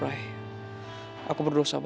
mendengar teleponan si hawa